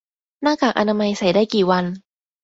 หน้ากากอนามัยใส่ได้กี่วัน